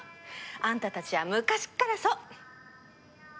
あんたたちは昔っからそう。